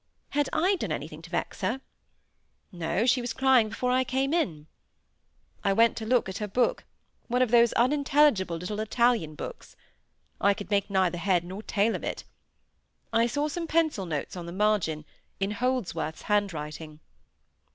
Had I done anything to vex her? No: she was crying before I came in. I went to look at her book—one of those unintelligible Italian books. I could make neither head nor tail of it. I saw some pencil notes on the margin, in Holdsworth's handwriting.